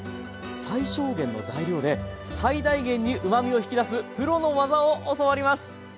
最小限の材料で最大限にうまみを引き出すプロの技を教わります！